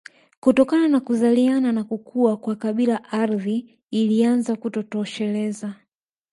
Kutokana na kuzaliana na kukua kwa kabila ardhi ilianza kutotosheleza